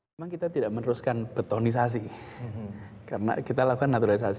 memang kita tidak meneruskan betonisasi karena kita lakukan naturalisasi